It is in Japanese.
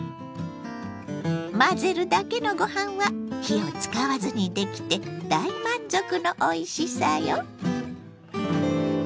混ぜるだけのご飯は火を使わずにできて大満足のおいしさよ。